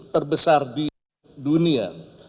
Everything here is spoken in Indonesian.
terbesar di dunia